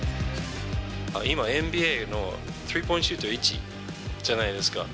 今、ＮＢＡのスリーポイントシュート１位じゃないですか。